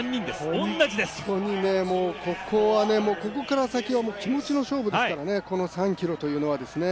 本当にここから先はもう気持ちの勝負ですからねこの３ｋｍというのは。